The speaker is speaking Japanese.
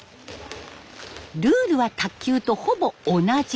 ルールは卓球とほぼ同じ。